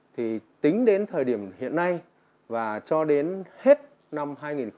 thì tính đến thời điểm hiện nay và cho đến hết năm hai nghìn một mươi sáu